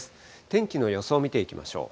天気の予想を見ていきましょう。